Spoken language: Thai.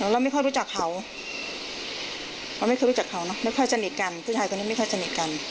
เราไม่ค่อยรู้จักเขาเราไม่เคยรู้จักเขาเนอะไม่ค่อยสนิทกันผู้ชายคนนี้ไม่ค่อยสนิทกัน